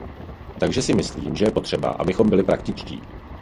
Takže si myslím, že je třeba, abychom byli praktičtí.